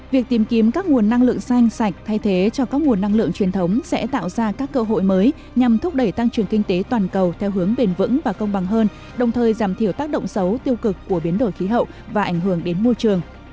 việc tìm kiếm các nguồn năng lượng xanh sạch thay thế cho các nguồn năng lượng truyền thống sẽ tạo ra các cơ hội mới nhằm thúc đẩy tăng trưởng kinh tế toàn cầu theo hướng bền vững và công bằng hơn đồng thời giảm thiểu tác động xấu tiêu cực của biến đổi khí hậu và ảnh hưởng đến môi trường